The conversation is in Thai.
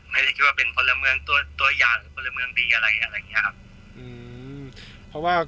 ไม่ได้คิดว่าเป็นพลเมืองตัวอย่างหรือพลเมืองดีอะไรอะไรอย่างนี้ครับ